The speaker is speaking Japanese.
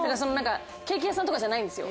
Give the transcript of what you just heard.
ケーキ屋さんとかじゃないんですよ。